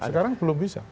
sekarang belum bisa